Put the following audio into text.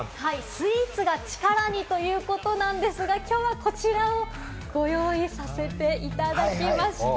スイーツが力にということなんですが、きょうはこちらをご用意させていただきました。